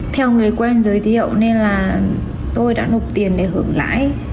theo người quen giới thiệu nên là tôi đã nộp tiền để hưởng lãi